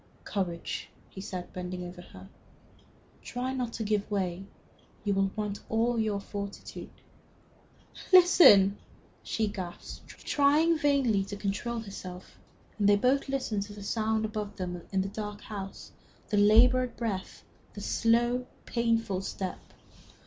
"Courage!" he said, bending over her. "Try not to give way. You will want all your fortitude." "Listen!" She gasped, trying vainly to control herself, and they both listened to the sounds above them in the dark house the labored breath, the slow, painful step.